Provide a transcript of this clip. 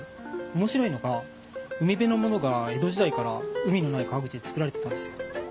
面白いのが海辺のものが江戸時代から海のない川口で作られてたんですよ。